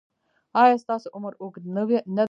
ایا ستاسو عمر اوږد نه دی؟